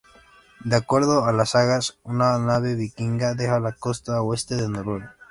De acuerdo a las sagas, una nave vikinga deja la costa Oeste de Noruega.